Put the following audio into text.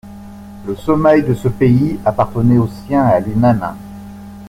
Le sommeil de ce pays appartenait aux siens et à lui-même.